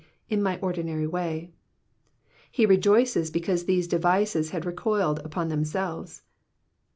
in my ordinary way. He rejoices because these devices had recoiled upon themselves.